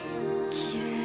きれい。